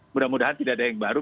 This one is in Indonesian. mudah mudahan tidak ada yang baru